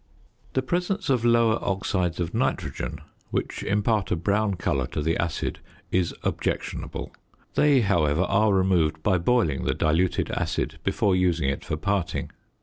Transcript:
The presence of lower oxides of nitrogen, which impart a brown colour to the acid, is objectionable; they, however, are removed by boiling the diluted acid before using it for parting.